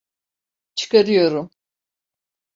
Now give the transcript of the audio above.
Çıkarıyorum.